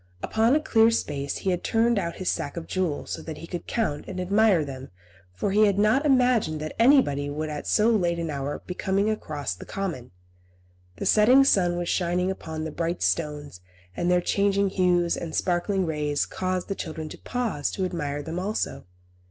Upon a clear space he had turned out his sack of jewels, so that he could count and admire them, for he had not imagined that anybody would at so late an hour be coming across the common. The setting sun was shining upon the brilliant stones, and their changing hues and sparkling rays caused the children to pause to admire them also.